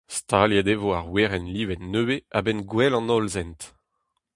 Staliet e vo ar werenn-livet nevez a-benn Gouel an Hollsent.